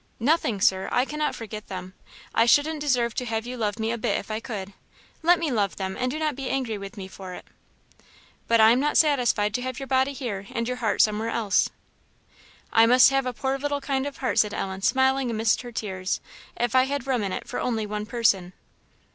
"Nothing, Sir; I cannot forget them; I shouldn't deserve to have you love me a bit if I could. Let me love them, and do not be angry with me for it." "But I am not satisfied to have your body here, and your heart somewhere else." I must have a poor little kind of heart," said Ellen, smiling amidst her tears, "if I had room in it for only one person."